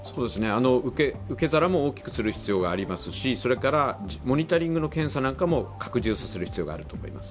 受け皿も大きくする必要がありますしそれから、モニタリングの検査なんかも拡充させる必要があると思います。